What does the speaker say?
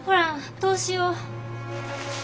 どうしよう。